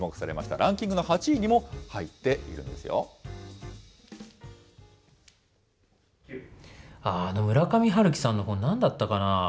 ランキングの８位にも入っているああ、あの村上春樹さんの本、なんだったかなあ。